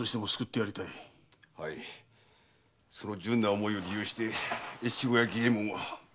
その純な思いを利用して越後屋儀右衛門は。